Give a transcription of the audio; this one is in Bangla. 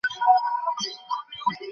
আমরা সবাই আপনার জয়ে অনেক খুশি।